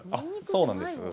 そうなんです。